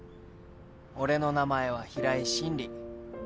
俺の名前は平井真理